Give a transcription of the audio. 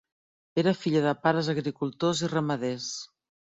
Era filla de pares agricultors i ramaders.